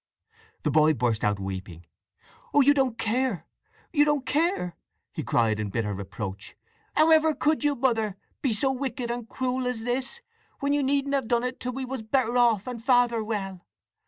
The boy burst out weeping. "Oh you don't care, you don't care!" he cried in bitter reproach. "How ever could you, Mother, be so wicked and cruel as this, when you needn't have done it till we was better off, and Father well!